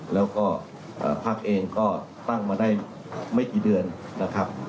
แล้วก็พักเองก็ตั้งมาได้ไม่กี่เดือนนะครับ